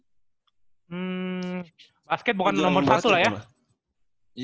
hmm basket bukan nomor satu lah ya